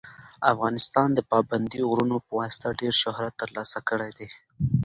افغانستان د پابندي غرونو په واسطه ډېر شهرت ترلاسه کړی دی.